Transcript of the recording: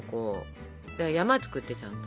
山作ってちゃんと。